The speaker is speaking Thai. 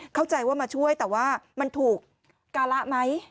เข้าใจว่ามาช่วยแต่ว่ามันถูกการะไหม